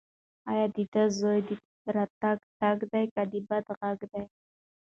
ایا دا د زوی د راتګ ټک دی که د باد غږ دی؟